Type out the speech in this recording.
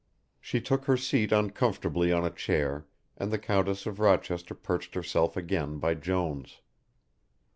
She took her seat uncomfortably on a chair and the Countess of Rochester perched herself again by Jones.